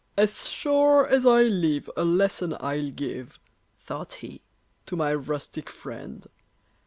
"As sure as I live, a lesson I'll give," Thought he, "to my rustic friend.